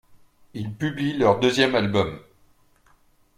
Ils publient leur deuxième album, '.